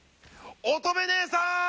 乙女姉さん！